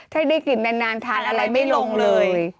ถ้าได้กลิ่นนานทานอะไรไม่ลงเลย